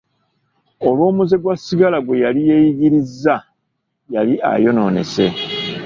Olw'omuze gwa sigala gwe yali yeeyigirizza yali ayonoonese.